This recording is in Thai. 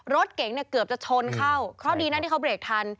รถเก๋งเนี่ยเกือบจะชนเข้าเพราะดีนะที่เขาเบรกทัน